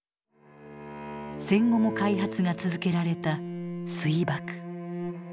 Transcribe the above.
戦後も開発が続けられた「水爆」。